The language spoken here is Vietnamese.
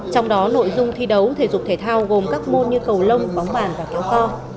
trong đó nội dung thi đấu thể dục thể thao gồm các môn như cầu lông bóng bàn và kéo co